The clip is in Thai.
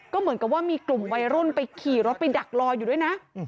ก็เหมือนกับว่ามีกลุ่มวัยรุ่นไปขี่รถไปดักรออยู่ด้วยนะ